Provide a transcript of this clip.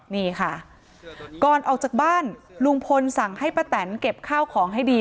นี่ค่ะก่อนออกจากบ้านลุงพลสั่งให้ป้าแตนเก็บข้าวของให้ดี